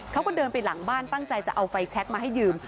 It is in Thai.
เขาก็เดินไปหลังบ้านตั้งใจจะเอาไฟแชคมาให้ยืม